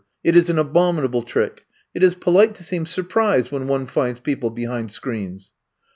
It is an abominable trick. It is polite to seem surprised when one finds people behind screens